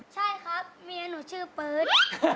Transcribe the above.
ใช่ครับเมียหนูชื่อปื๊ด